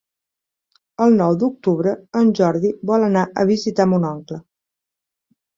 El nou d'octubre en Jordi vol anar a visitar mon oncle.